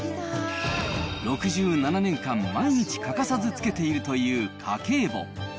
６７年間、毎日欠かさずつけているという家計簿。